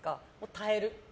耐える。